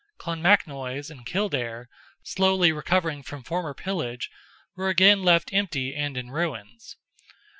Clonmacnoise and Kildare, slowly recovering from former pillage, were again left empty and in ruins.